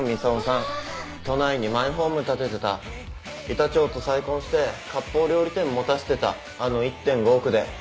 板長と再婚してかっぽう料理店持たせてたあの１．５億で。